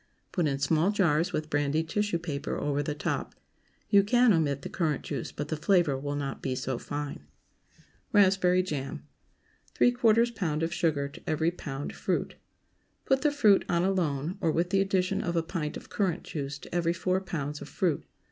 Put in small jars, with brandied tissue paper over the top. You can omit the currant juice, but the flavor will not be so fine. RASPBERRY JAM. ✠ ¾ lb. of sugar to every lb. fruit. Put the fruit on alone, or with the addition of a pint of currant juice to every four pounds of fruit.